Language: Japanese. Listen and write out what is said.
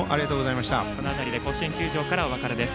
この辺りで甲子園球場からお別れです。